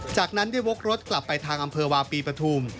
จากนั้นได้วกรถกลับไปทางอำเภอวาปีปฐุม